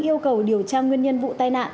yêu cầu điều tra nguyên nhân vụ tai nạn